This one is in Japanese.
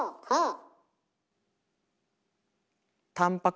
ああ！